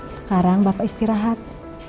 sekarang bapak istirahat